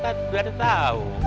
kan abang tadi udah tahu